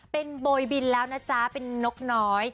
เป็นโบยบินแล้วนะจ๊ะเป็นนกน้อย